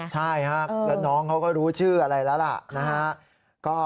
ใช่แล้วน้องเขาก็รู้ชื่ออะไรแล้ว